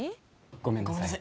ごめんなさい